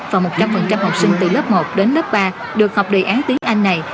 và một trăm linh học sinh từ lớp một đến lớp ba được học đề án tiếng anh này